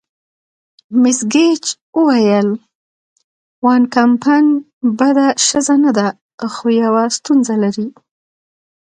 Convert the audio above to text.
مس ګیج وویل: وان کمپن بده ښځه نه ده، خو یوه ستونزه لري.